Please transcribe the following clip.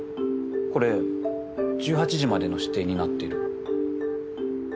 これ１８時までの指定になってる。